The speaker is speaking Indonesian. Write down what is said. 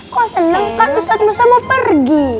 kok seneng kan ustadz musa mau pergi